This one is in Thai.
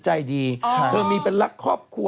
จากธนาคารกรุงเทพฯ